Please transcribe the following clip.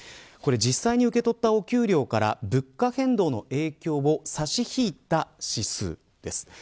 実際に受け取ったお給料から物価変動の影響を差し引いた指数です。